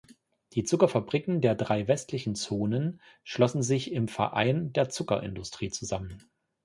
Die Zuckerfabriken der drei westlichen Zonen schlossen sich im "Verein der Zuckerindustrie" zusammen.